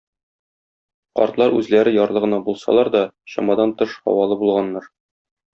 Картлар үзләре ярлы гына булсалар да чамадан тыш һавалы булганнар.